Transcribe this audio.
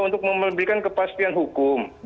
untuk memberikan kepastian hukum